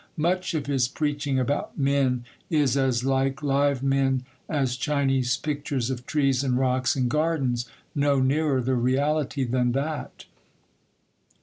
Much of his preaching about men is as like live men as Chinese pictures of trees and rocks and gardens,—no nearer the reality than that.